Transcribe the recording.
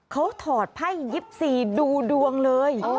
เขาถอดไพ่๒๔ดูดวงเลย